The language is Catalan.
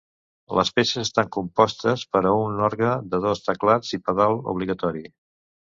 Les peces estan compostes per a un orgue de dos teclats i pedal obligatori.